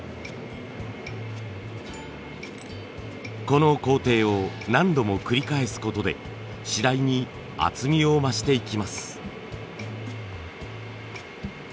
この工程を何度も繰り返すことで次第に厚みを増していきます。